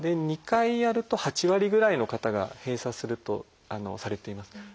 ２回やると８割ぐらいの方が閉鎖するとされています。